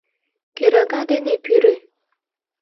Кӧрага дене пӱрӧ.